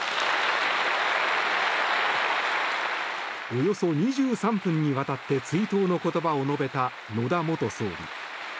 およそ２３分にわたって追悼の言葉を述べた野田元総理。